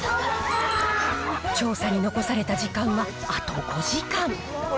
調査に残された時間はあと５時間。